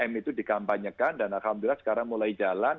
tiga m itu dikampanyekan dan alhamdulillah sekarang mulai jalan